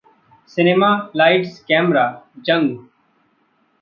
Cinema lights camera, जंग!